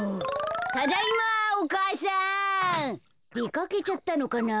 ただいまお母さん。でかけちゃったのかな。